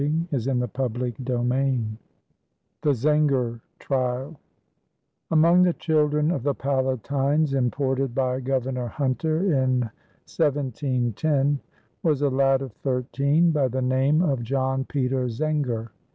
_" CHAPTER XII THE ZENGER TRIAL Among the children of the Palatines imported by Governor Hunter in 1710 was a lad of thirteen by the name of John Peter Zenger.